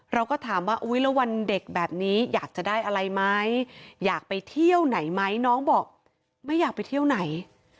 เราก็ถามว่าอุ๊ยแล้ววันเด็กแบบนี้อยากจะได้อะไรไหมอยากไปเที่ยวไหนไหมน้องบอกไม่อยากไปเที่ยวไหน